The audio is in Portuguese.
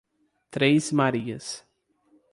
Três Marias